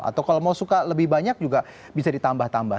atau kalau mau suka lebih banyak juga bisa ditambah tambah